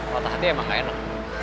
rotah hati emang gak enak